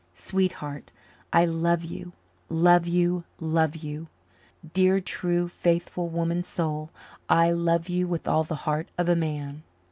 Sweetheart, I love you love you love you dear true, faithful woman soul, I love you with all the heart of a man.